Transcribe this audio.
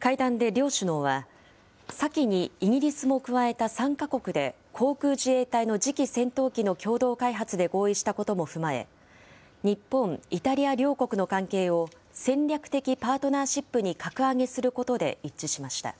会談で両首脳は、先にイギリスも加えた３か国で、航空自衛隊の次期戦闘機の共同開発で合意したことも踏まえ、日本、イタリア両国の関係を戦略的パートナーシップに格上げすることで一致しました。